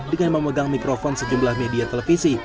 dengan memegang mikrofon sejumlah media televisi